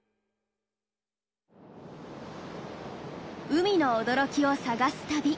海の驚きを探す旅。